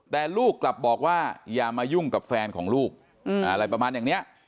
แต่ลูกกลับบอกว่าอย่ามายุ่งกับแฟนของลูกอะไรประมาณอย่างนี้